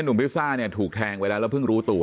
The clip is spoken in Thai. นุ้มภิกษาถูกแทงแล้วแล้วเพิ่งรู้ตัว